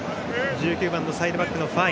１９番のサイドバックのファイ。